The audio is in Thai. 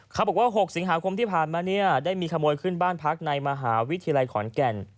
เขาบอกว่า๖สิงหาคมที่ผ่านมาเนี่ยได้มีขโมยขึ้นบ้านพักในมหาวิทยาลัยขอนแก่น